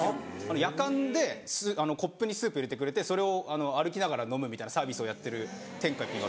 やかんでコップにスープ入れてくれてそれを歩きながら飲むみたいなサービスをやってる天下一品。